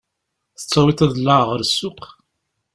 Tettawiḍ aḍellaɛ ɣer ssuq?